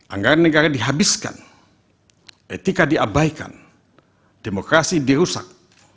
anggaran negara dihabiskan etika diabaikan demokrasi dirusak